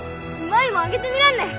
舞もあげてみらんね。